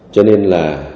cho nên là